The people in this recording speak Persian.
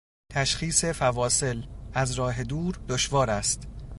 تشخیص فواصل، از راه دور دشوار است.